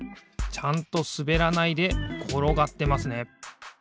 ちゃんとすべらないでころがってますね。